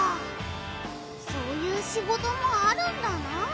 そういうシゴトもあるんだなあ。